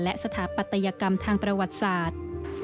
และสถาปัตยกรรมทางประวัติศาสตร์